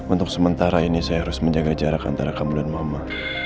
untuk sementara ini saya harus menjaga jarak antara kamu dan mama